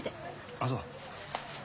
あっそう。